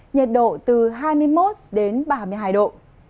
nhiệt độ từ hai mươi một đến ba mươi hai độ